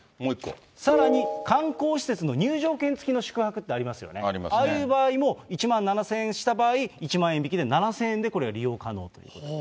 さらに、観光施設の入場券付きの宿泊ってありますよね、ああいう場合も、１万７０００円した場合、１万円引きで７０００円でこれが利用可能ということで。